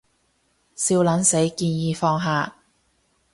笑撚死，建議放下